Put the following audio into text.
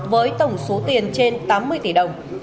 với tổng số tiền trên tám mươi tỷ đồng